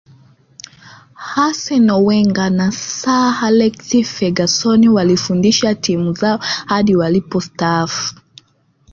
arsene wenger na sir alex ferguson walifundisha timu zao hadi walipostaafu